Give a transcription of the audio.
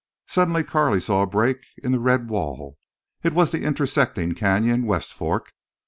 Suddenly Carley saw a break in the red wall. It was the intersecting canyon, West Fork.